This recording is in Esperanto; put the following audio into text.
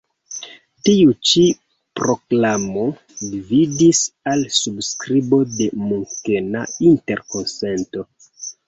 Tiu ĉi prklamo gvidis al subskribo de Munkena interkonsento.